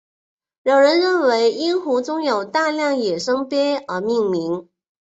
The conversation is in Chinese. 有人认为因湖中有大量野生鳖而命名。